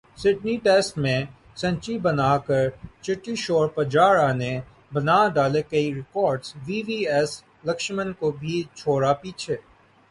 Sydney test میں century بناکر چتیشور پجارا نے بناڈالے کئی records, V V S Laxman کو بھی چھوڑا پیچھے